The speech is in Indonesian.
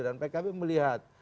dan pkb melihat